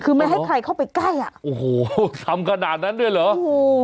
คือไม่ให้ใครเข้าไปใกล้อ่ะโอ้โหทำขนาดนั้นด้วยเหรอโอ้โห